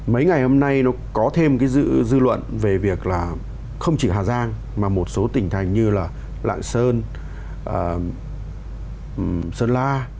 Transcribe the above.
mấy ngày hôm nay nó có thêm cái dư luận về việc là không chỉ hà giang mà một số tỉnh thành như là lạng sơn la